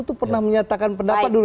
itu pernah menyatakan pendapat dulu